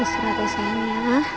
istirahat ya sayangnya